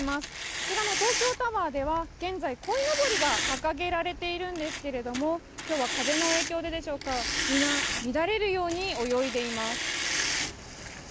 こちらの東京タワーでは現在こいのぼりが掲げられているんですけれども今日は風の影響で皆、乱れるように泳いでいます。